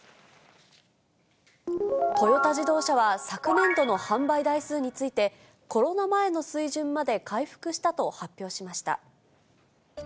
トヨタ自動車は昨年度の販売台数について、コロナ前の水準まで回復したと発表しました。